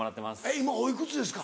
今おいくつですか？